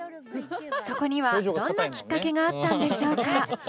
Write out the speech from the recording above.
そこにはどんなきっかけがあったんでしょうか？